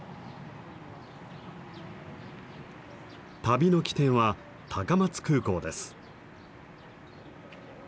旅の起点は高松空港です。